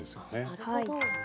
なるほど。